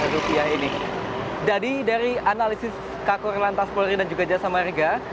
jadi dari analisis kakor lantas polri dan juga jasa mariga